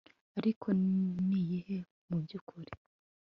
Ariko niyihe mu byukuri